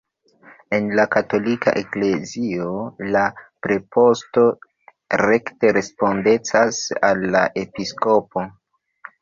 En la katolika eklezio la preposto rekte respondecas al la episkopo.